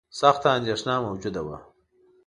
سخته اندېښنه موجوده وه.